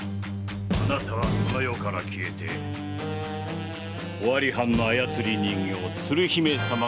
あなたはこの世から消えて尾張藩のあやつり人形鶴姫様が誕生いたします。